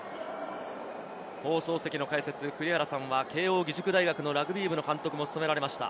放送席の解説・栗原さんは慶應義塾大学のラグビーの監督も務められました。